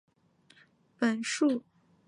本树种以日本学者森丑之助命名。